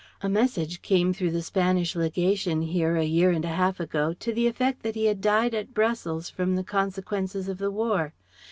A message came through the Spanish Legation here, a year and a half ago, to the effect that he had died at Brussels from the consequences of the War.